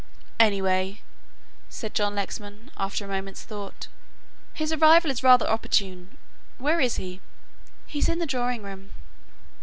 "Anyway," said John Lexman, after a moment's thought, "his arrival is rather opportune. Where is he?" "He is in the drawing room."